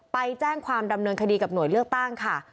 ไปแจ้งความดำเนินคดีกับหน่วยเลือกตั้งค่ะ